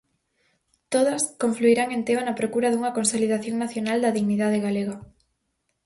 Todas, confluirán en Teo na procura dunha "consolidación nacional" da Dignidade galega.